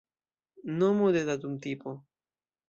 Nomo de datumtipo.